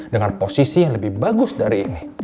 dengan posisi yang lebih bagus dari ini